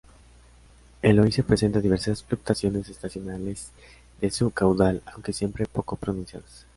El Oise presenta diversas fluctuaciones estacionales de su caudal, aunque siempre poco pronunciadas.